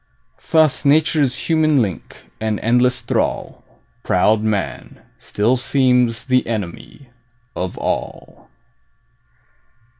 Thus nature's human link and endless thrall, Proud man, still seems the enemy of all.